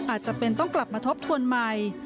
อาจจะเป็นต้องกลับมาทบทวนใหม่